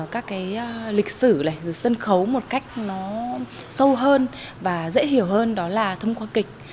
các cái lịch sử này sân khấu một cách nó sâu hơn và dễ hiểu hơn đó là thông qua kịch